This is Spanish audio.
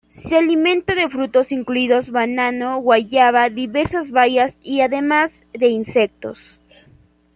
Se alimenta de frutos, incluidos banano, guayaba, diversas bayas y además de insectos.